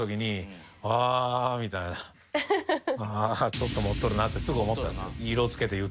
「ちょっと盛っとるな」ってすぐ思ったんですよ。